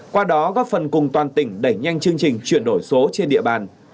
qua đó góp phần cùng toàn tỉnh đẩy nhanh chương trình chuyển đổi số trên địa bàn